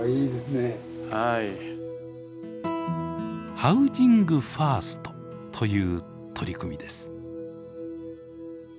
「ハウジングファースト」という取り組みです。